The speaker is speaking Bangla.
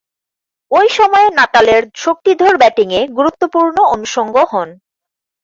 ঐ সময়ে নাটালের শক্তিধর ব্যাটিংয়ে গুরুত্বপূর্ণ অনুষঙ্গ হন।